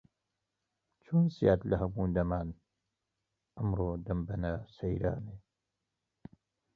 چۆنە زیاد لە هەموو دەمان، ئەمڕۆ دەمبەنە سەیرانێ؟